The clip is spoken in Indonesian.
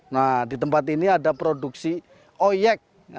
nah di tempat ini ada produksi oyek